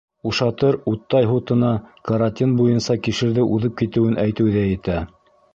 Ушатыр уттай һутына Каротин буйынса кишерҙе уҙып китеүен әйтеү ҙә етә.